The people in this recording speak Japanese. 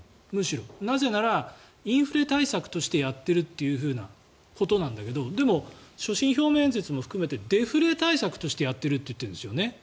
なぜならインフレ対策としてやってるということなんだけどでも、所信表明演説も含めてデフレ対策としてやってると言ってるんですよね。